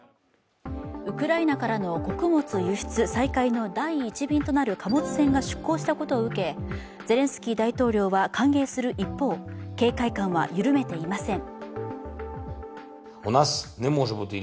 ウクライナからの穀物輸出再開の第１便となる貨物船が出港したことを受けゼレンスキー大統領は歓迎する一方、警戒感は緩めていません。